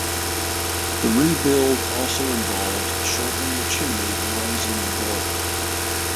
The rebuild also involved shortening the chimney and raising the boiler.